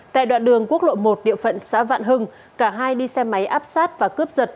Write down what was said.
tại đoạn đường quốc lộ một địa phận xã vạn hưng cả hai đi xe máy áp sát và cướp giật